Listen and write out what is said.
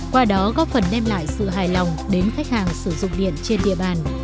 qua đó góp phần đem lại sự hài lòng đến khách hàng sử dụng điện trên địa bàn